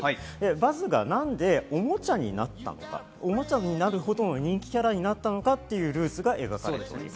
バズが何でおもちゃになったのか、おもちゃになることの人気キャラになったのかというルーツが描かれています。